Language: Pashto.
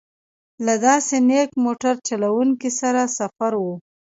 له داسې نېک موټر چلوونکي سره سفر و.